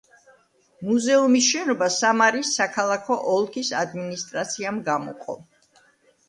მუზეუმის შენობა სამარის საქალაქო ოლქის ადმინისტრაციამ გამოყო.